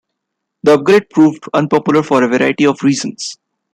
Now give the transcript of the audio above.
The upgrade proved unpopular for a variety of reasons.